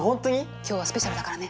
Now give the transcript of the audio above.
今日はスペシャルだからね。